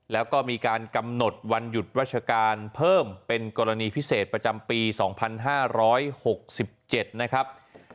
แล้วก็มีการกำหนดวันหยุดราชการเพิ่มเป็นกรณีพิเศษประจำปีสองพันห้าร้อยหกสิบเจ็ดนะครับ